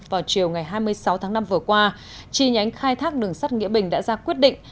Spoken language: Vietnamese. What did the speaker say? vào chiều ngày hai mươi sáu tháng năm vừa qua chi nhánh khai thác đường sắt nghĩa bình đã ra quyết định